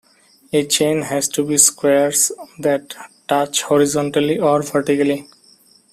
A chain has to be squares that touch horizontally or vertically.